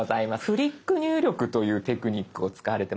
「フリック入力」というテクニックを使われてましたよね。